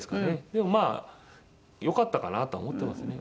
でもまあよかったかなとは思ってますね。